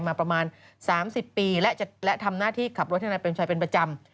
มาประมาณ๓๐ปีและทำหน้าที่ขับรถให้นายเปรมชัยเป็นประจำ